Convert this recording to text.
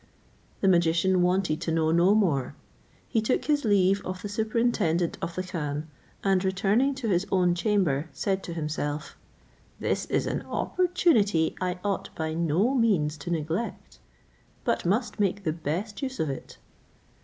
The magician wanted to know no more; he took his leave of the superintendent of the khan, and returning to his own chamber, said to himself, "This is an opportunity I ought by no means to neglect, but must make the best use of it."